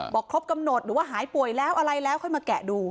ครบกำหนดหรือว่าหายป่วยแล้วอะไรแล้วค่อยมาแกะดู